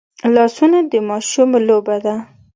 لاسونه د ماشوم لوبه ده